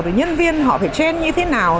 rồi nhân viên họ phải trend như thế nào